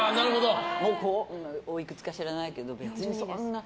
おいくつか知らないけど別にそんな。